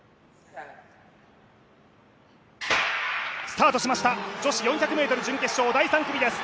スタートしました女子４００ｍの準決勝第３組です。